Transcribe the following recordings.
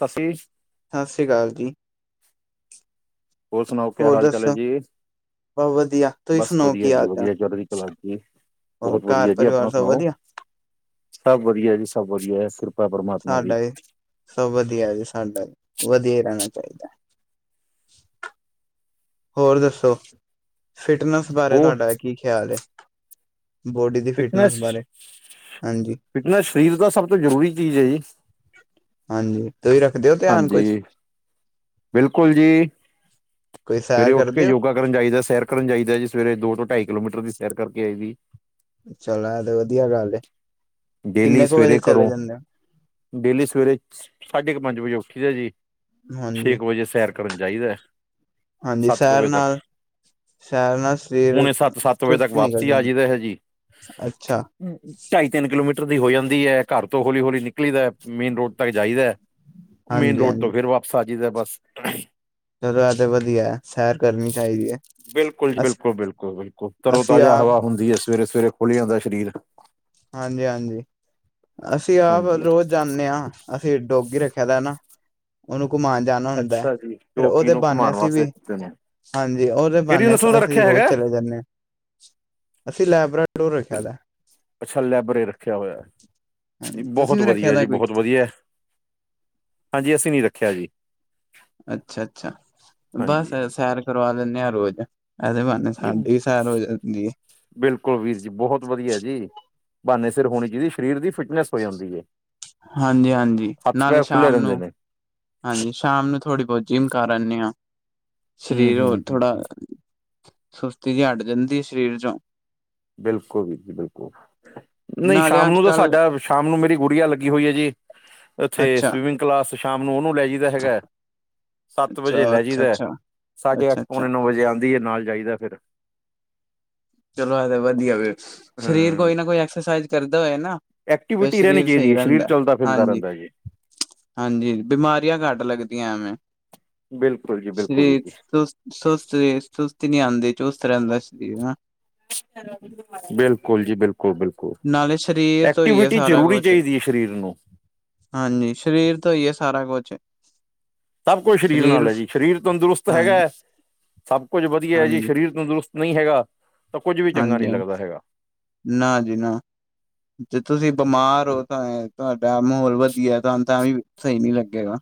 ਸਫ਼ੀਸ਼ ਸਤਿ ਸ੍ਰੀ ਅਕਾਲ ਜੀ ਹੋਰ ਸੁਨਾਓ ਕਿਆ ਹੋਰ ਹਾਲ ਚਾਲ ਹੈ ਦੱਸੋ? ਜੀ। ਬਸ ਵਧੀਆ, ਤੁਸੀਂ ਬਸ ਸੁਣਾਓ ਵਧੀਆ ਕੀ ਜੀ ਹਾਲ ਚਾਲ? ਵਧੀਆ ਚੜਦੀ ਕਲਾ ਚ ਜੀ ਹੋਰ ਬਹੁਤ ਘਰ ਵਧੀਆ ਜੀ ਪਰਿਵਾਰ ਅਪਣਾ ਸਭ ਸੁਣਾਓ ਵਧੀਆ? ਸਭ ਵਧੀਆ ਜੀ ਸਭ ਵਧੀਆ ਫਿਰ ਸਾਡਾ ਸਭ ਵਧੀਆ ਜੀ ਸਾਡਾ ਵਧੀਆ ਹੀ ਰਹਿਣਾ ਚਾਹੀਦਾ। ਹੋਰ ਦੱਸੋ ਫਿਟਨੈਸ ਬਾਰੇ ਹੋਰ ਤੁਹਾਡਾ ਕੀ ਖਿਆਲ ਏ। ਬੋਡੀ ਦੀ ਫਿਟਨੈਸ ਬਾਰੇ ਹਾਂਜੀ। ਫਿਟਨਸ ਸਰੀਰ ਦਾ ਸਭ ਤੋਂ ਜ਼ਰੂਰੀ ਚੀਜ਼ ਹੈ ਜੀ। ਹਾਂਜੀ ਤੁਸੀਂ ਰੱਖਦੇ ਓ ਧਿਆਨ ਕੁਛ ਹਾਂਜੀ ਬਿਲਕੁਲ ਜੀ ਕੋਈ ਸਵੇਰੇ ਸੈਰ ਉੱਠ ਕੇ ਕਰਦੇ ਹੋ? ਯੋਗਾ। ਕਰਨ ਜਾਈਦਾ ਸੈਰ ਕਰਨ ਜਾਈਦਾ ਜੀ ਸਵੇਰੇ ਦੋ ਤੋਂ ਢਾਈ ਕਿਲੋਮੀਟਰ ਦੀ ਸੈਰ ਕਰਕੇ ਆਈ ਵੀ ਚਲੋ ਇਹ ਤੇ ਵਧੀਆ ਗੱਲ ਏ ਡੇਲੀ ਕਿੰਨੇ ਕੁ ਵਜੇ ਸਵੇਰੇ ਚਲੇ ਕਰੋ ਜਾਂਨੇ ੳ। ਡੇਲੀ ਸਵੇਰੇ ਸਾਢੇ ਕੁ ਪੰਜ ਵਜੇ ੳਠੀ ਦਾ ਜੀ। ਛੇ ਹਾਂਜੀ, ਕੁ ਵਜੇ ਸੈਰ ਕਰਨ ਜਾਈਦਾ। ਹਾਂਜੀ ਸੱਤ ਕੁ ਸੈਰ ਵਜੇ ਤੱਕ ਨਾਲ ਸੈਰ ਨਾਲ ਸਰੀਰ ਪੌਣੇ ਸੱਤ ਸੱਤ ਵਜੇ ਤੱਕ ਚੁਸਤ ਨਿਕਲ ਵਾਪਸੀ ਆ ਜਾਈਦਾ ਹੈ ਜੀ ਜਾਂਦਾ ਅੱਛਾ। ਢਾਈ ਤਿੰਨ ਕਿਲੋਮੀਟਰ ਦੀ ਹੋ ਜਾਂਦੀ ਏ ਘਰ ਤੋਂ ਹੌਲੀ ਹੌਲੀ ਨਿਕਲੀ ਦਾ ਮੇਨ ਰੋਡ ਤੱਕ ਜਾਈਦਾ। ਹਮ [inaudible] ਮੇਨ ਰੋਡ ਤੋਂ ਫ਼ੇਰ ਵਾਪਸ ਆ ਜਾਈਦਾ ਬਸ। ਚਲੋ ਇਹ ਤੇ ਵਧੀਆ ਸੈਰ ਕਰਨੀ ਚਾਹੀਦੀ ਹੈ। ਬਿਲਕੁਲ ਜੀ ਬਿਲਕੁਲ ਬਿਲਕੁਲ ਬਿਲਕੁਲ ਤਰੋ ਅਸੀਂ ਤਾਜ਼ਾ ਆਪ ਹਵਾ ਹੁੰਦੀ ਹੈ ਸਵੇਰੇ ਸਵੇਰੇ ਖੁਲ੍ਹ ਜਾਂਦਾ ਸ਼ਰੀਰ। ਹਾਂਜੀ ਹਾਂਜੀ ਅਸੀਂ ਆਪ ਹਾਂਜੀ ਰੋਜ਼ ਜਾਨੇ ਆ ਅਸੀਂ ਡੋਗੀ ਰੱਖਿਆ ਦਾ ਨਾ ਉਹਨੂੰ ਘੁਮਾਨ ਜ ਜਾਨਾ ਹੁੰਦਾ ਅੱਛਾ ਜੀ ਫੇਰ ਜੋ ਕਿ ਉਹਦੇ ਨੂੰ ਬਾਨੇ ਘੁਮਾਉਣ ਅਸੀ ਵਾਸਤੇ ਵੀ ਕੀਤੇ ਨੇ ਹਾਂਜੀ, ਉਹਦੇ ਕਿਹੜੀ ਬਹਾਨੇ ਨਸਲ ਦਾ ਅਸੀਂ ਰੱਖਿਆ ਰੋਜ਼ ਹੈਗਾ ਚਲੇ ਜਾਂਦੇ ਹਾਂ ਅਸੀਂ ਲੈਬਰਟੋਰੀ ਰੱਖਿਆ ਦਾ ਅੱਛਾ ਲੈਬਰੇ ਰੱਖਿਆ ਹੋਇਆ, ਹਾਂਜੀ ਤੁਸੀਂ ਬਹੁਤ ਵੀ ਰੱਖਿਆ ਵਧੀਆ ਦਾ ਜੀ ਕੋਈ ਬਹੁਤ ਵਧੀਆ ਹਾਂਜੀ, ਅਸੀਂ ਨੀ ਰੱਖਿਆ ਜੀ ਅੱਛਾ -ਅੱਛਾ ਬਸ ਹਾਂਜੀ ਸੈਰ ਕਰਵਾ ਲੈਂਦੇ ਆਂ ਰੋਜ਼, ਇਹਦੇ ਬਣ ਇਹ ਜੀ ਸਾਡੀ ਵੀ ਸੈਰ ਹੋ ਜਾਂਦੀ ਏ ਬਿਲਕੁਲ ਵੀਰ ਜੀ ਬਹੁਤ ਵਧੀਆ ਜੀ, ਬਹਾਨੇ ਸਿਰ ਹੋਣੀ ਚਾਹੀਦੀ ਸਰੀਰ ਦੀ ਫਿਟਨੈਸ ਹੋ ਜਾਂਦੀ ਹੈ ਹਾਂਜੀ- ਹਾਂਜੀ, ਹੱਥ ਨਾਲੇ ਪੈਰ ਖੁੱਲੇ ਸ਼ਾਮ ਰਹਿੰਦੇ ਨੂੰ ਨੇ ਹਾਂਜੀ ਸ਼ਾਮ ਨੂੰ ਥੋੜ੍ਹੀ ਬਹੁਤ ਜਿਮ ਕਰ ਆਂਦੇ ਹਾਂ, ਹੂੰ ਸਰੀਰ ਹੂੰ ਹੋਰ ਹੂੰ, ਥੋੜਾ ਸੁਸਤੀ ਜਿਹੀ ਹਟ ਜਾਂਦੀ ਹੈ, ਸਰੀਰ 'ਚੋਂ ਬਿਲਕੁਲ ਵੀ ਜੀ ਬਿਲਕੁਲ ਨਹੀਂ ਨਾਲੇ ਸ਼ਾਮ ਨੂੰ ਤਾਂ ਅੱਜ-ਕੱਲ ਸਾਡਾ, ਸ਼ਾਮ ਨੂੰ ਮੇਰੀ ਗੁੜੀਆ ਲੱਗੀ ਹੋਈ ਹੈ ਜੀ, ਇੱਥੇ ਅੱਛਾ-ਅੱਛਾ, ਸਵੀਮਿੰਗ ਕਲਾਸ ਸ਼ਾਮ ਨੂੰ ਉਹਨੂੰ ਲੈ ਜ ਹੈਗਾ, ਸੱਤ ਵਜੇ ਲੈ ਜਾਈਦਾ, ਅੱਛਾ-ਅੱਛਾ, ਸਾਢੇ ਅੱਠ, ਅੱਛਾ-ਅੱਛਾ ਪੌਣੇ ਨੌ ਵਜੇ ਆਉਂਦੀ ਹੈ ਨਾਲ ਜਾਈਦਾ ਫਿਰ ਚਲੋ ਐ ਵਧੀਆ ਵੀ, ਸਰੀਰ ਹਾਂ ਕੋਈ ਨਾ ਕੋਈ ਐਕਸਰਸਾਈਜ਼ ਕਰਦਾ ਹੋਏ ਨਾ ਫਿਰ ਐਕਟੀਵਿਟੀ ਰਹਿਣੀ ਸਰੀਰ ਚਾਹੀਦੀ ਸਹੀ ਹੈ ਸਰੀਰ ਰਹਿੰਦਾ, ਚਲਦਾ ਫਿਰਦਾ ਹਾਂਜੀ ਰਹਿੰਦਾ ਜੀ ਹਾਂਜੀ, ਬਿਮਾਰੀਆਂ ਘੱਟ ਲੱਗਦੀਆਂ ਐਵੇਂ। ਬਿਲਕੁਲ ਜੀ ਬਿਲਕੁਲ ਵੀਰ ਸ਼੍ਰੀਰ ਜੀ ਤੁਸਤ। ਸੁਸਤ, ਸੁਸਤੀ ਨਹੀਂ ਆਉਂਦੀ, ਚੁਸਤ ਰਹਿੰਦਾ ਸਰੀਰ ਹਨਾ। ਬਿਲਕੁਲ ਜੀ ਬਿਲਕੁਲ- ਬਿਲਕੁਲ। ਨਾਲੇ ਸਰੀਰ ਤੋਂ ਹੀ ਹੈ ਐਕਟੀਵਿਟੀ ਸਾਰਾ ਜ਼ਰੂਰੀ ਕੁਛ ਚਾਹੀਦੀ ਹੈ ਸਰੀਰ ਨੂੰ। ਹਾਂਜੀ, ਸਰੀਰ ਤੋਂ ਹੀ ਹੈ ਸਾਰਾ ਕੁਛ। ਸਭ ਕੁੱਝ ਸਰੀਰ ਨਾਲ ਹੈ ਜੀ, ਸਰੀਰ ਤੰਦਰੁਸਤ ਹੈਗਾ ਹਾਂਜੀ ਹੈ, ਸਭ ਕੁੱਝ ਵਧੀਆ ਹੈ ਜੀ ਹਾਂਜੀ ਸਰੀਰ ਤੰਦਰੁਸਤ। ਨਹੀਂ ਹੈਗਾ, ਤਾਂ ਕੁੱਝ ਵੀ ਚੰਗਾ ਨਹੀਂ ਹਾਂਜੀ ਹਾਂਜੀ ਲੱਗਦਾ ਹੈਗਾ। ਨਾ ਜੀ ਨਾ। ਜੇ ਤੁਸੀਂ ਬਿਮਾਰ ਹੋ, ਤਾਂ ਤੁਹਾਡਾ ਮਾਹੌਲ ਵਧੀਆ, ਤੁਹਾਨੂੰ ਤਾਂ ਵੀ ਸਹੀ ਨੀ ਲੱਗੇਗਾ।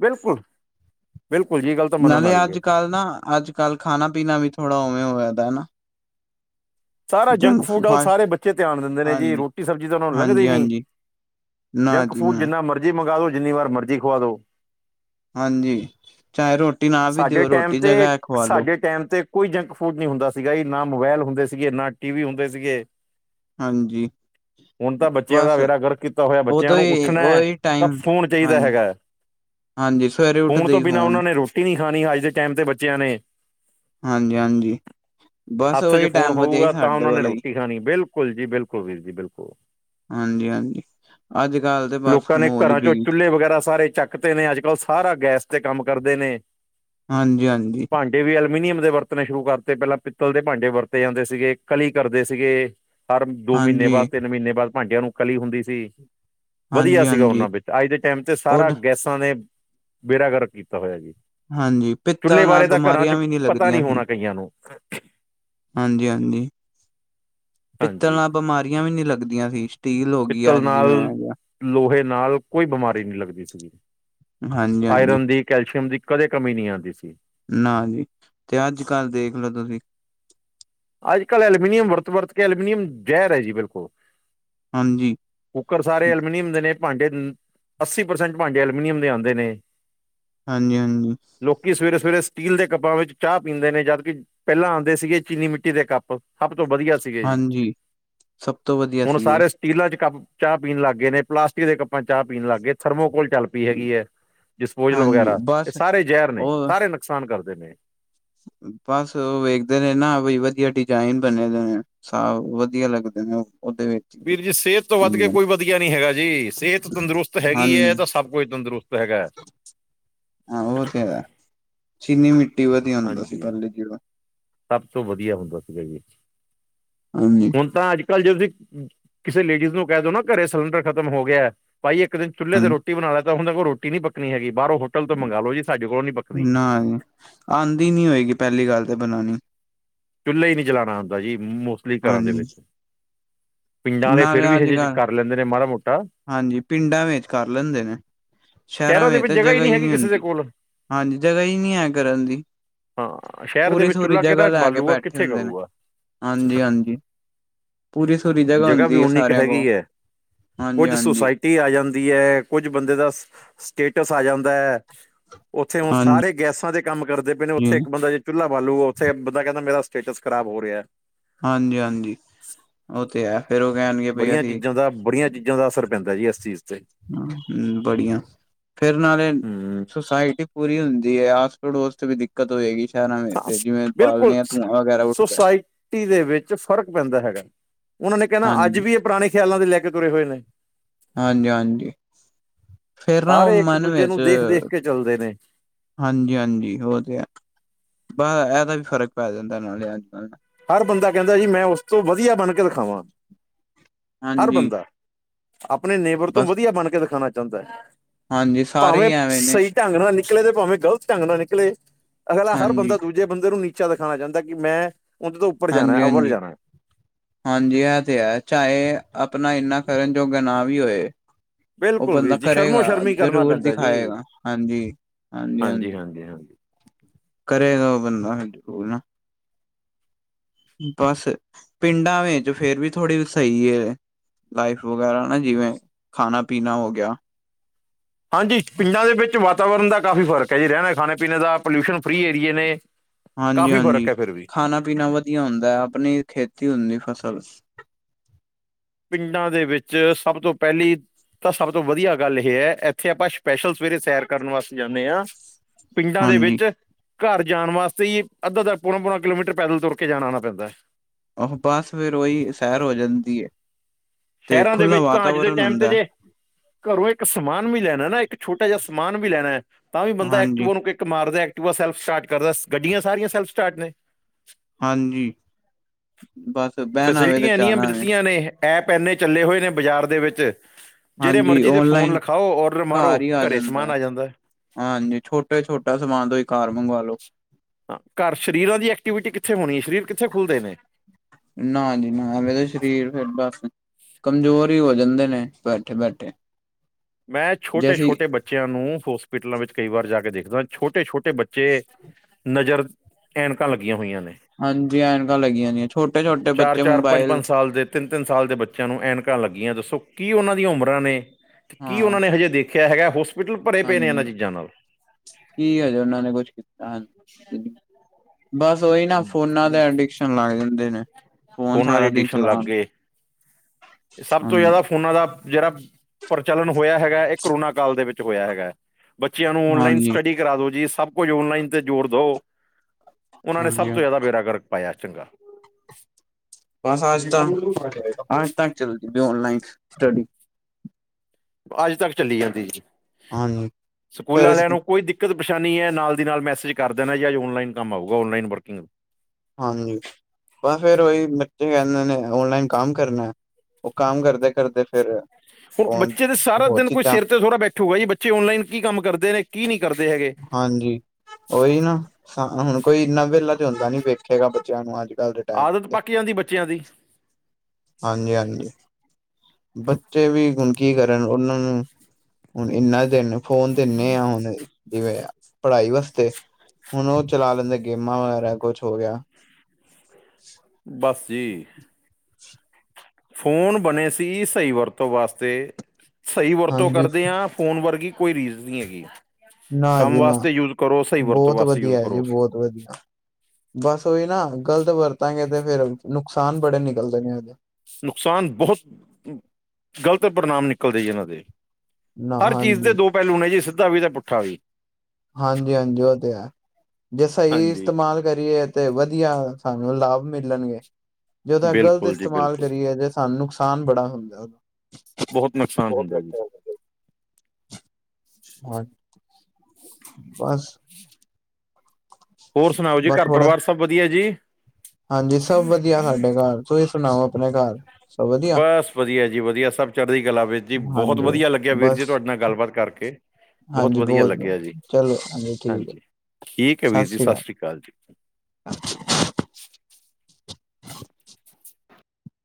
ਬਿਲਕੁਲ। ਬਿਲਕੁ ਜੀ ਗਲਤ। ਨਾਲੇ ਅੱਜ- ਕੱਲ੍ਹ ਨਾ, ਅੱਜ -ਕੱਲ੍ਹ ਖਾਣਾ ਪੀਣਾ ਵੀ ਥੋੜਾ ਉਵੇਂ ਹੋਇਆ ਦਾ ਹਨਾ। ਸਾਰਾ ਜੰਕ ਫੂਡ, ਫਾਸਟ ਸਾਰੇ ਬੱਚੇ ਧਿਆਨ ਦਿੰਦੇ ਨੇ ਜੀ, ਹਾਂਜੀ, ਰੋਟੀ -ਸਬਜ਼ੀ ਤਾਂ ਉਹਨਾਂ ਨੂੰ ਲੰਘਦੇ ਹਾਂਜੀ, ਹੀ ਨੀ। ਹਾਂਜੀ ਨਾ ਜੰਕ ਜੀ ਫੂਡ ਨਾ ਜਿੰਨਾ ਮਰਜ਼ੀ ਮੰਗਵਾ ਦੋ, ਜਿੰਨੀ ਵਾਰ ਮਰਜ਼ੀ ਖਵਾ ਦਉ। ਹਾਂਜੀ। ਚਾਹੇ ਰੋਟੀ ਨਾ ਵੀ ਸਾਡੇ ਦਿਓ ਟਾਈਮ ਰੋਟੀ ਤੇ, ਜਗ੍ਹਾ ਐ ਖਵਾ ਲੋ ਸਾਡੇ ਟਾਈਮ ਤੇ। ਕੋਈ ਜੰਕ ਫੂਡ ਨਹੀਂ ਹੁੰਦਾ ਸੀਗਾ ਜੀ, ਨਾ ਮੋਬਾਇਲ ਹੁੰਦੇ ਸੀਗੇ, ਨਾ ਟੀ ਵੀ ਹੁੰਦੇ ਸੀਗੇ। ਹਾਂਜੀ‌ ਹੁਣ ਤਾਂ ਬੱਚਿਆਂ ਦਾ ਵੇਰਾ ਗਰ ਕੀਤਾ ਹੋਇਆ, ਉਦੋਂ ਬੱਚਿਆਂ ਨੂੰ ਹੀ ਉੱਠਣਾ, ਉਹੀ ਤਾਂ ਟਾਈਮ ਫੋਨ ਚਾਹੀਦਾ ਹਾਂਜੀ, ਹੈਗਾ। [inaudible] ਫੋਨ ਉੱਠਦੇ ਤੋਂ ਹੀ ਬਿਨਾਂ ਉਹਨਾਂ ਨੇ ਰੋਟੀ ਨਹੀਂ ਖਾਣੀ ਅੱਜ ਦੇ ਟਾਈਮ ਤੇ ਬੱਚਿਆਂ ਨੇ। ਹਾਂਜੀ- ਹਾਂਜੀ, ਬਸ ਹੱਥ 'ਚ ਉਹੀ। ਫੋਨ ਟਾਈਮ ਵਧੀਆ ਸੀ ਹੋਊਗਾ ਤਾਂ ਸਾਡੇ ਉਹਨਾਂ ਨੇ ਵਾਲਾ ਹੀ ਰੋਟੀ ਖਾਣੀ, ਬਿਲਕੁਲ ਜੀ ਬਿਲਕੁਲ, ਵੀਰ ਜੀ ਬਿਲਕੁਲ। ਹਾਂਜੀ- ਹਾਂਜੀ, ਅੱਜ- ਕੱਲ੍ਹ ਤੇ ਬਸ ਮੋਲ ਹੀ ਵੀ। ਚੁੱਲੇ। ਵਗੈਰਾ ਸਾਰੇ ਚੱਕਤੇ ਨੇ ਅੱਜ ਕੱਲ੍ਹ ਸਾਰਾ ਗੈਸ ਤੇ ਕੰਮ ਕਰਦੇ ਨੇ। ਹਾਂਜੀ- ਹਾਂਜੀ। ਭਾਂਡੇ ਵੀ ਅਲਮੀਨੀਅਮ ਦੇ ਵਰਤਣੇ ਸ਼ੁਰੂ ਕਰਤੇ, ਪਹਿਲਾਂ ਪਿੱਤਲ ਦੇ ਭਾਂਡੇ ਵਰਤੇ ਜਾਂਦੇ ਸੀਗੇ, ਕਲੀ ਕਰਦੇ ਸੀਗੇ। ਹਰ ਦੋ ਮਹੀਨੇ ਬਾਅਦ, ਹਾਂਜੀ, ਤਿੰਨ ਮਹੀਨੇ ਬਾਅਦ, ਭਾਂਡਿਆਂ ਨੂੰ ਕਲੀ ਹੁੰਦੀ ਸੀ। ਵਧੀਆ ਹਾਂਜੀ, ਸੀਗਾ ਹਾਂਜੀ। ਉਹਨਾਂ ਵਿੱਚ, ਅੱਜ ਦੇ ਟਾਈਮ ਤੇ ਸਾਰਾ ਉਡ ਗੈਸਾਂ ਨੇ ਬੇੜਾ ਗਰਕ ਕੀਤਾ ਹੋਇਆ ਜੀ। ਹਾਂਜੀ ਚੁੱਲੇ ਪਿੱਤਲ ਨਾਲ ਬਾਰੇ ਤਾਂ ਘਰਾਂ ਬਿਮਾਰੀਆਂ 'ਚ ਪਤਾ ਨੀ ਹੋਣਾ ਕਈਆਂ ਨੂੰ। ਹਾਂਜੀ-ਹਾਂਜੀ, ਪਿੱਤਲ ਹਾਂਜੀ ਨਾਲ ਬਿਮਾਰੀਆਂ ਵੀ ਨਹੀਂ ਲੱਗਦੀਆਂ ਸੀ। ਸਟੀਲ। ਗਈ ਪਿੱਤਲ ਅੱਜ ਨਾਲ, ਜਿਵੇਂ ਲੋਹੇ ਨਾਲ, ਕੋਈ ਬਿਮਾਰੀ ਨੀ ਲੱਗਦੀ ਸੀਗੀ। ਹਾਂਜੀ ਹਾਂ। ਆਇਰਨ ਦੀ, ਕੈਲਸ਼ੀਅਮ ਦੀ, ਕਦੇ ਕਮੀ ਨੀ ਆਂਦੀ ਸੀ। ਨਾ ਜੀ ਤੇ ਅੱਜ-ਕੱਲ੍ਹ ਦੇਖਲੋ ਤੁਸੀਂ। ਅੱਜ ਕੱਲ੍ਹ ਐਲਮੀਨੀਅਮ ਵਰਤ-ਵਰਤ ਕੇ, ਅਲਮੀਨੀਅਮ ਜ਼ਹਿਰ ਐ ਜੀ ਬਿਲਕੁਲ। ਹਾਂਜੀ। ਕੂਕਰ ਸਾਰੇ ਐਲਮੀਨੀਅਮ ਦੇ ਨੇ ਭਾਂਡੇ ਅੱਸੀ ਪ੍ਰਸੈਂਟ ਭਾਂਡੇ ਐਲਮੀਨੀਅਮ ਦੇ ਆਂਦੇ ਨੇ। ਹਾਂਜੀ -ਹਾਂਜੀ। ਲੋਕੀ ਸਵੇਰੇ-ਸਵੇਰੇ ਸਟੀਲ ਦੇ ਕੱਪਾਂ ਵਿੱਚ ਚਾਹ ਪੀਂਦੇ ਨੇ, ਜਦਕਿ ਪਹਿਲਾਂ ਆਉਂਦੇ ਸੀਗੇ ਚੀਨੀ ਮਿੱਟੀ ਮਿੱਟੀ ਦੇ ਕੱਪ, ਸਭ ਤੋਂ ਵਧੀਆ ਸੀ। ਹਾਂਜੀ, ਸਭ ਤੋਂ ਵਧੀਆ ਹੁਣ ਸੀ ਉਹ। ਸਾਰੇ ਸਟੀਲਾਂ 'ਚ ਕੱਪ ਚਾਹ ਪੀਣ ਲਗ ਨੇ, ਪਲਾਸਟਿਕ ਦੇ ਕੱਪਾਂ ਚਾਹ ਪੀਣ ਲਗ ਗੇ, ਥਰਮੋਕੋਲ ਚੱਲ ਪੀ ਹੈਗੀ ਐ, ਡਿਸਪੋਜਲ ਹਾਂਜੀ ਵਗੈਰਾ ਇਹ ਬਸ ਸਾਰੇ ਜ਼ਹਿਰ ਨੇ, ਉਹ ਸਾਰੇ ਨੁਕਸਾਨ ਕਰਦੇ ਨੇ। ਬਸ ਉਹ ਵੇਖਦੇ ਨੇ ਨਾ, ਬਈ ਵਧੀਆ ਡਿਜਾਇਨ ਬਣੇ ਦੇ ਨੇ। ਸਾ ਵਧੀਆ ਲੱਗਦੇ ਨੇ, ਉਹਦੇ ਵਿੱਚ। ਵੀਰ ਜੀ, ਸਿਹਤ ਤੋਂ ਵੱਧ ਕੇ ਕੋਈ ਵਧੀਆ ਨੀ ਹੈਗਾ ਜੀ। ਸਿਹਤ ਤੰਦਰੁਸਤ ਹੈਗੀ ਐ, ਹਾਂਜੀ ਤਾਂ ਸਭ ਕੁਝ ਤੰਦਰੁਸਤ ਹੈਗਾ। ਹਾਂ ਉਹ ਤੇ ਹੈ। ਚੀਨੀ ਮਿੱਟੀ ਵਧੀਆ ਹੁੰਦਾ ਸੀ, ਹਾਂਜੀ ਪਹਿਲੇ ਜਿਹੜਾ ਸਭ ਤੋਂ ਵਧੀਆ ਹੁੰਦਾ ਸੀਗਾ ਵੀ- ਹਾਂਜੀ। ਹੁਣ ਤਾਂ ਅਜ-ਕਲ ਜੇ ਤੁਸੀ, ਕਿਸੇ ਲੇਡੀਜ਼ ਨੂੰ ਕਹਿ ਦੋ ਨਾ ਘਰੇ ਸਿਲੰਡਰ ਖਤਮ ਹੋ ਗਿਆ ਭਾਈ, ਇਕ ਦਿਨ ਚੁੱਲੇ ਤੇ ਹਾਂਜੀ ਰੋਟੀ ਬਣਾ ਲਾ ਤਾਂ ਉਹਨਾਂ ਕੋ ਰੋਟੀ ਨੀ ਪੱਕਣੀ ਹੈਗੀ, ਬਾਹਰੋਂ ਤੋਂ ਮੰਗਵਾ ਲਓ ਜੀ ਸਾਡੇ ਕੋਲੋਂ ਨੀ ਪੱਕਦੀ। ਨਾ ਈ, ਆਂਦੀ ਨੀ ਹੋਏਗੀ ਪਹਿਲੀ ਗੱਲ ਤੇ ਬਨਾਨੀ। ਚੁੱਲ੍ਹੇ ਈ ਨਹੀਂ ਜਲਾਣਾ ਆਂਦਾ ਜੀ, ਮੋਸਟਲੀ ਘਰਾਂ ਦੇ ਹਾਂਜੀ ਵਿਚ। [inaudible] ਨਾਲੇ ਅੱਜ-ਕਲ, ਨੇ ਮਾੜਾ ਮੋਟਾ ਹਾਂਜੀ ਪਿੰਡਾਂ ਵਿਚ ਕਰ ਲੈਂਦੇ ਨੇ- ਸ਼ਹਿਰਾਂ ਦੇ ਵਿਚ ਵਿੱਚ ਤਾਂ ਹੀ ਜਗ੍ਹਾ ਨਹੀਂ ਈ ਹੈਗੀ ਨਹੀ ਕਿਸੇ ਦੇ ਹੁੰਦੀ। ਕੋਲ ਹਾਂਜੀ ਜਗ੍ਹਾ ਈ ਨੀ ਹੈ ਕਰਨ ਦੀ- ਹਾਂ, ਸ਼ਹਿਰ ਦੇ ਪੂਰੀ ਵਿਚ ਸੂਰੀ ਚੁੱਲਾ ਜਗ੍ਹਾ ਕਿਹੜਾ ਲੈ ਕੇ ਬਾਲੂਗਾ, ਬੈਠੇ ਕਿੱਥੇ ਹੁੰਦੇ ਨੇ ਕਰੂਗਾ। ਹਾਂਜੀ ਹਾਂਜੀ ਪੂਰੀ ਸੂਰੀ ਜਗ੍ਹਾ ਵੀ ਹੁੰਦੀ ਹੈ ਓਨੀ ਕੁ ਸਾਰਿਆਂ ਕੋਲ ਹੈਗੀ ਐ। ਹਾਂਜੀ ਕੁੱਝ ਹਾਂਜੀ ਸੁਸਾਇ ਟੀ ਆ ਜਾਂਦੀ ਐ। ਕੁੱਝ ਬੰਦੇ ਦਾ ਸਟੇਟਸ ਆ ਜਾਂਦਾ ਐ ਉਥੇ ਹੁਣ ਸਾਰੇ ਹਾਂਜੀ ਗੈਸਾਂ ਤੇ ਕਮ ਕਰਦੇ ਪਏ ਨੇ, ਉਥੇ ਇਕ ਬੰਦਾ ਜੇ ਚੁੱਲ੍ਹਾ ਬਾਲੂਗਾ ਉਥੇ ਬੰਦਾ ਕਹਿੰਦਾ ਮੇਰਾ ਸਟੇਟਸ ਖਰਾਬ ਹੋ ਰਿਆ ਹਾਂਜੀ-ਹਾਂਜੀ, ਉਹ ਤੇ ਹੈ। ਫੇਰ ਉਹ ਕਹਿਣ ਬੜੀਆਂ ਚੀਜ਼ਾਂ ਦਾ, ਬੜੀਆਂ ਚੀਜਾਂ ਦਾ, ਅਸਰ ਪੈਂਦਾ ਜੀ ਇਸ ਚੀਜ਼ ਤੇ ਬੜੀਆਂ ਫਿਰ ਨਾਲੇ ਹੂੰ ਸੁਸਾਇਟੀ ਪੂਰੀ ਹੁੰਦੀ ਐ, ਆਸ ਪੜੋਸ ਤੇ ਵੀ ਦਿਕ ਬਿਲਕੁਲ, ਆ ਧੂੰਆਂ ਵਗੈਰਾ ਉੱਠਦਾ ਸੁਸਾਇਟੀ ਦੇ ਵਿਚ ਫ਼ਰਕ ਪੈਂਦਾ ਹੈਗਾ। ਉਹਨਾਂ ਨੇ ਕਹਿਣਾ ਅਜ ਹਾਂਜੀ ਵੀ ਇਹ ਪੁਰਾਣੇ ਖਿਆਲਾਂ ਦੇ ਲੈ ਕੇ ਤੁਰੇ ਹੋਏ ਨੇ- ਹਾਂਜੀ -ਹਾਂਜੀ, ਫੇਰ ਨਾ ਉਹ ਸਾਰੇ ਇੱਕ ਮਨ ਦੂਜੇ ਵਿਚ- ਨੂੰ ਦੇਖ-ਦੇਖ ਕੇ ਚੱਲਦੇ ਨੇ ਹਾਂਜੀ- ਹਾਂਜੀ ਉਹ ਤੇ ਹੈ। ਬ ਇਹਦਾ ਵੀ ਫ਼ਰਕ ਪੈ ਜਾਦਾ ਨਾਲੇ ਅਜ -ਕਲ ਹਰ ਬੰਦਾ ਕਹਿਦਾ ਜੀ ਮੈ ਉਸ ਤੋਂ ਵਧੀਆ ਬਣ ਕੇ ਦਿਖਾਵਾਂ, ਹਰ ਹਾਂਜੀ, ਬੰਦਾ- ਆਪਣੇ ਨੇਬਰ ਤੋਂ ਬਸ ਵਧੀਆ ਬਣ ਕੇ ਦਿਖਾਉਣਾ ਚਾਹੁੰਦਾ ਹੈ, ਹਾਂਜੀ ਸਾਰੇ ਭਾਵੇਂ ਹੀ ਐਵੇਂ ਨੇ ਸਹੀ- ਢੰਗ ਨਾਲ ਨਿਕਲੇ ਤੇ ਭਾਵੇਂ ਗਲਤ ਢੰਗ ਨਾਲ ਨਿਕਲੇ, ਅਗਲਾ ਹਰ ਬੰਦਾ ਹਾਂਜੀ, ਦੂਜਾ- ਦੂਜੇ ਬੰਦੇ ਨੂੰ ਨੀਚਾ ਦਿਖਾਉਣਾ ਚਾਹੁੰਦਾ, ਕਿ ਮੈ- ਹਾਂਜੀ- ਹਾਂਜੀ- ਹਾਂਜੀ ਇਹ ਤੇ ਹੈ। ਚਾਹੇ ਆਪਣਾ ਇੰਨਾ ਕਰਨ ਜੋਗਾ ਨਾ ਵੀ ਹੋਏ- ਉਹ ਬਿਲਕੁਲ ਬੰਦਾ ਵੀਰ ਜੀ ਸ਼ਰਮੋ ਕਰੇਗਾ, ਸ਼ਰਮੀ ਕਰਨਾ ਜ਼ਰੂਰ ਪੈਂਦਾ ਜੀ ਦਿਖਾਏਗਾ, ਹਾਂਜੀ- ਹਾਂਜੀ- ਹਾਂਜੀ-ਹਾਂਜੀ ਹਾਂਜੀ -ਹਾਂਜੀ- ਕਰੇਗਾ ਬੰਦਾ ਜਰੂਰ ਨਾ- ਬਸ, ਪਿੰਡਾਂ ਵਿਚ ਫੇਰ ਵੀ ਥੋੜ੍ਹੀ ਸਹੀ ਹੈ। ਲਾਈਫ ਵਗੈਰਾ ਨਾ ਜਿਵੇ, ਖਾਣਾ -ਪੀਣਾ ਹੋ ਗਿਆ। ਹਾਂਜੀ, ਪਿੰਡਾਂ ਦੇ ਵਿਚ ਵਾਤਾਵਰਨ ਦਾ ਕਾਫੀ ਫ਼ਰਕ ਹੈ ਜੀ ਰਹਿਣਾ, ਖਾਣੇ- ਪੀਣੇ ਦਾ ਪੋਲਿਉਸ਼ਨ ਫਰੀ ਏਰੀਏ ਨੇ- ਹਾਂਜੀ- ਕਾਫ਼ੀ ਹਾਂਜੀ, ਫ਼ਰਕ ਹੈ ਫਿਰ ਵੀ ਖਾਣਾ ਪੀਣਾ ਵਧੀਆ ਹੁੰਦਾ ਹੈ। ਆਪਣੀ ਖੇਤੀ ਹੁੰਦੀ ਫਸਲ। ਪਿੰਡਾਂ ਦੇ ਵਿਚ ਸਭ ਤੋਂ ਪਹਿਲੀ ਤਾਂ ਸਭ ਤੋਂ ਵਧੀਆ ਗੱਲ ਇਹ ਹੈ। ਇਥੇ ਆਪਾਂ ਸਪੈਸ਼ਲ ਸਵੇਰੇ ਸੈਰ ਕਰਨ ਵਾਸਤੇ ਜਾਦੇ ਹਾਂ। ਪਿੰਡਾਂ ਦੇ ਹਾਂਜੀ। ਵਿਚ, ਘਰ ਜਾਣ ਵਾਸਤੇ ਹੀ ਅੱਧਾ- ਅੱਧਾ, ਪੋਣਾ ਪੋਣਾ ਕਿਲੋਮੀਟਰ ਪੈਦਲ ਤੁਰ ਕੇ ਜਾਣ ਆਉਣਾ ਪੈਂਦਾ ਹੈ। ਉਹ ਬਸ ਫਿਰ ਉਹੀ, ਸੈਰ ਹੋ ਜਾਦੀ ਹੈ ਏ। ਸ਼ਹਿਰਾਂ ਦੇ ਵਿਚ ਤਾਂ ਅਜ ਦੇ ਟਾਈਮ ਤੇ ਹੁੰਦਾ। ਜੇ- ਘਰੋਂ ਇਕ ਸਮਾਨ ਵੀ ਲੈਣਾ ਨਾ ਇਕ ਛੋਟਾ ਜਿਹਾ ਸਮਾਨ ਵੀ ਲੈਣਾ, ਤਾਂ ਵੀ ਬੰਦਾ ਹਾਂਜੀ, ਐਕਟਿਵਾ ਨੂੰ- ਮਾਰਦਾ, ਐਕਟ ਸੈਲਫ ਸਟਾਰਟ ਕਰਦਾ, ਗੱਡੀਆਂ ਸਾਰੀਆਂ ਸੈਲਫ ਸਟਾਰਟ ਨੇ- ਹਾਂਜੀ, ਬਸ ਬਹਿਣਾ ਹੋਵੇ ਤੇ ਫੈਸਿਲਿਟੀਆਂ ਇੰਨੀਆਂ ਚਣਾਵੇ- ਦਿੱਤੀਆਂ ਨੇ ਐਪ ਇਨੇ ਚੱਲੇ ਹੋਏ ਨੇ ਬਾਜ਼ਾਰ ਦੇ ਵਿਚ- ਜਿਹੜੇ ਹਾਂਜੀ ਮਰਜ਼ੀ ਦੇ ਫੋਨ ਓਨਲਾਈਨ ਲਿਖਾਓ, ਔਡਰ ਮਾਰੋ, ਘਰ ਹੀ ਆ ਘਰੇ ਜਾਂਦਾ ਸਮਾਨ ਹੈ। ਆ ਜਾਦਾ। ਹਾਂਜੀ, ਛੋਟਾ- ਛੋਟਾ ਸਮਾਨ ਤੁਸੀ ਕਾਰ ਮੰਗਵਾ ਲੋ- ਹਾਂ, ਘਰ ਸਰੀਰਾਂ ਦੀ ਐਕਟੀਵਿਟੀ ਕਿਥੇ ਹੋਣੀ ਹੈ। ਸਰੀਰ ਕਿਥੇ ਖੁੱਲ੍ਹਦੇ ਨੇ ਨਾ ਜੀ ਨਾ, ਐਵੇਂ ਤਾਂ ਸਰੀਰ ਫਿਰ ਬਸ ਕਮਜ਼ੋਰ ਹੀ ਹੋ ਜਾਂਦੇ ਨੇ, ਬੈਠੇ- ਬੈਠੇ ਮੈਂ ਛੋਟੇ- ਜੈਸੀਂ ਛੋਟੇ ਬੱਚਿਆਂ ਨੂੰ ਹੋਸਪਿਟਲਾਂ ਵਿੱਚ ਕਈ ਵਾਰ ਜਾ ਕੇ ਦੇਖਦਾ, ਛੋਟੇ -ਛੋਟੇ ਬੱਚੇ ਜੇ, ਨਜ਼ਰ, ਐਨਕਾਂ ਲੱਗੀਆਂ ਹੋਈਆਂ ਨੇ ਹਾਂਜੀ ਐਨਕਾਂ ਲੱਗੀਆਂ ਹੁੰਦੀਆਂ, ਛੋਟੇ- ਛੋਟੇ ਬੱਚੇ ਮੋਬਾਇਲ ਤਿੰਨ -ਤਿੰਨ ਸਾਲ ਦੇ ਬੱਚਿਆਂ ਨੂੰ ਐਨਕਾਂ ਲੱਗੀਆਂ ਦੱਸੋ, ਕੀ ਉਹਨਾਂ ਦੀਆਂ ਉਮਰਾਂ ਨੇ, ਤੇ ਕੀ ਹਾਂ ਉਹਨਾਂ ਨੇ ਹਜੇ ਦੇਖ ਦੇਖਿਆ ਹੈਗਾ, ਹੋਸਪਿਟਲ ਭਰੇ ਪਏ ਨੇ ਇਹਨਾਂ ਹਾਂਜੀ ਚੀਜ਼ਾਂ ਨਾਲ ਕੀ ਹਜੇ, ਉਹਨਾਂ ਨੇ ਕੁਛ ਕੀਤਾ ਬਸ ਓਹੀ ਨਾ, ਫੋਨਾਂ ਦੇ ਅਡਿਕਸ਼ਨ ਲੱਗ ਜਾਂਦੇ ਨੇ ਫੋਨ ਫੋਨਾਂ ਦੇ ਸਾਰਾ ਦਿਨ ਐਡੀਸ਼ਨ ਲੱਗ ਚਲਾ ਗਏ ਸਭ ਤੋਂ ਜ਼ਿਆਦਾ ਫੋਨਾਂ ਦਾ ਜਿਹੜਾ, ਪ੍ਰਚਲਨ ਹੋਇਆ ਹੈਗਾ ਇਹ ਕਰੋਨਾ ਕਾਲ ਦੇ ਵਿੱਚ ਹੋਇਆ ਹੈਗਾ ਹੈ ਬੱਚਿਆਂ ਨੂੰ ਓਨਲਾਈਨ ਹਾਂਜੀ ਸਟੱਡੀ ਕਰਾ ਦੋ ਜੀ, ਸਭ ਕੁਝ ਓਨਲਾਈਨ ਤੇ ਜੋਰ ਦੋ ਉਹਨਾਂ ਨੇ ਸਭ ਹਾਂਜੀ ਤੋਂ ਜ਼ਿਆਦਾ ਬੇਰਾਗਰਕ ਪਾਇਆ ਚੰਗਾ ਬਸ ਅਜ ਤੱਕ, ਅਜ ਤੱਕ ਚੱਲਦੀ ਔਨਲਾਈਨ ਸਟੱਡੀ ਅੱਜ ਤੱਕ ਚੱਲੀ ਜਾਂਦੀ, ਹਾਂਜੀ ਸਕੂਲਾਂ ਫਿਰ ਵਾਲਿਆਂ ਨੂੰ ਕੋਈ ਦਿੱ ਦਿੱਕਤ ਪਰੇਸ਼ਾਨੀ ਹੈ ਨਾਲ ਦੀ ਨਾਲ ਮੈਸੇਜ ਕਰ ਦੇਣਾ ਜ ਅਜ ਔਨਲਾਈਨ ਕੰਮ ਆਊਗਾ ਔਨਲਾਈਨ ਵਰਕਿੰਗ ਹਾਂਜੀ ਵ ਫਿਰ ਉਹੀ ਬੱਚੇ ਕਹਿੰਦੇ ਨੇ ਔਨਲਾਈਨ ਕੰਮ ਕਰਨਾ, ਉਹ ਕੰਮ ਕਰਦੇ -ਕਰਦੇ ਫਿਰ ਹੁਣ ਫੋਨ ਬੱਚੇ ਦੇ ਸਾਰਾ ਹੋਰ ਦਿਨ ਕੋਈ ਚੀਜ਼ਾਂ ਸਿਰ ਤੇ ਥੋਹਰਾ ਬੈਠ ਠੂਗਾ ਜੀ ਬੱਚੇ ਔਨਲਾਈਨ ਕੀ ਕੰਮ ਕਰਦੇ ਨੇ, ਕੀ ਨਈਂ ਕਰਦੇ ਹੈਗੇ। ਹਾਂਜੀ ਉਹੀ ਨਾ, ਹੁਣ ਕੋਈ ਇੰਨਾ ਵੇਲਾ ਚ ਹੁੰਦਾ ਨੀ ਵੇਖੇਗਾ ਬੱਚਿਆਂ ਨੂੰ ਅੱਜ ਕੱਲ ਦੇ ਟਾਈਮ ਆਦਤ ਤੇ ਪਕੱ ਜਾਂਦੀ ਬੱਚਿਆਂ ਦੀ। ਹਾਂਜੀ ਹਾਂਜੀ। ਬੱਚੇ ਵੀ ਹੁਣ ਕੀ ਕਰਨ ਉਹਨਾਂ ਨੂੰ ਹੁਣ ਇੰਨਾ ਦਿਨ ਫੋਨ ਦਿਨੇਂ ਆ ਹੁਣ ਜਿਵੇਂ ਪੜ੍ਹਾਈ ਵਾਸਤੇ, ਹੁਣ ਉਹ ਚਲਾ ਲੈਂਦੇ ਗੇਮਾਂ ਵਗੈਰਾ ਕੁਛ ਹੋ ਗਿਆ ਬਸ ਜੀ। ਫੋਨ ਬਣੇ ਸੀ ਸਹੀ ਵਰਤੋਂ ਵਾਸਤੇ, ਸਹੀ ਵਰਤੋਂ ਹਾਂਜੀ ਕਰਦੇ ਆਂ। ਫੋਨ ਵਰਗੀ ਕੋਈ ਰੀਜ਼ ਨਈਂ ਹੈਗੀ। ਨਾ ਕੰਮ ਜੀ ਨਾ, ਵਾਸਤੇ ਯੂਜ਼ ਕਰੋ ਸਹੀ ਵਰਤੋਂ ਬਹੁਤ ਵਾਸਤੇ ਯੂਜ਼ ਵਧੀਆ ਜੀ ਕਰੋ ਬਹੁਤ ਵਧੀਆ। ਬਸ ਉਹੀ ਨਾ ਗ਼ਲਤ ਵਰਤਾਂਗੇ ਤੇ ਫੇਰ ਨੁਕਸਾਨ ਬੜੇ ਨਿਕਲਦੇ ਨੇ ਇਹਦੇ ਨੁਕਸਾਨ ਬਹੁਤ ਗ਼ਲਤ ਪ੍ਰਣਾਮ ਨਿਕਲਦੇ ਜੀ ਇਹਨਾਂ ਦੇ ਨਾ ਹਰ ਚੀਜ਼ ਦੇ ਹਾਂਜੀ ਦੋ ਪਹਿਲੂ ਨੇ ਜੀ, ਸਿੱਧਾ ਵੀ ਤੇ ਪੁੱਠਾ ਵੀ। ਹਾਂਜੀ ਹਾਂਜੀ ਇਹ ਤੇ ਹੈ ਜੇ ਸਹੀ ਹਾਂਜੀ ਇਸਤੇਮਾਲ ਕਰੀਏ ਤੇ ਵਧੀਆ ਸਾਨੂੰ ਲਾਭ ਮਿਲਣਗੇ। ਜੇ ਤਾਂ ਗ਼ਲਤ ਬਿਲਕੁਲ ਜੀ ਇਸਤੇਮਾਲ ਬਿਲਕੁਲ ਕਰੀਏ ਜੇ ਸਾਨੂੰ ਨੁਕਸਾਨ ਬੜਾ ਹੁੰਦਾ ਬਹੁਤ ਨੁਕਸਾਨ ਬਹੁਤ ਹੁੰਦਾ ਜੀ। ਨੁਕਸਾਨ ਹਾਂ, ਬਸ ਹੋਰ ਸੁਣਾਓ ਜੀ ਬਸ ਘਰ ਥੋੜਾ ਪਰਿਵਾਰ ਸਭ ਵਧੀਆ ਜੀ। ਹਾਂਜੀ ਸਭ ਵਧੀਆ ਸਾਡੇ ਘਰ, ਤੁਸੀਂ ਸੁਣਾਓ ਆਪਣੇ ਘਰ। ਸਭ ਵਧੀਆ ਬਸ ਵਧੀਆ ਜੀ ਵਧੀਆ, ਸਭ ਚਰ ਦੀ ਗੱਲ ਵੀਰ ਜੀ ਬਹੁਤ ਹਾਂਜੀ ਵਧੀਆ ਲੱਗਿਆ ਵੀਰ ਬਸ ਜੀ ਤੁਹਾਡੇ ਨਾਲ ਗੱਲਬਾਤ ਕਰਕੇ। ਬਹੁਤ ਵਧੀਆ ਲੱਗਿਆ ਜੀ, ਚਲੋ ਠੀਕ ਹੈ ਹਾਂਜੀ। ਠੀਕ ਐ ਵੀਰ ਜੀ, ਸਤਿ ਸ੍ਰੀ ਅਕਾਲ ਜੀ। [inaudible] [inaudible]